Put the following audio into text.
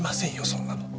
そんなの。